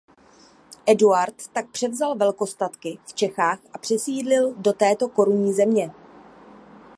Eduard tak převzal velkostatky v Čechách a přesídlil do této korunní země.